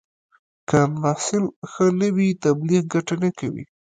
که محصول ښه نه وي، تبلیغ ګټه نه کوي.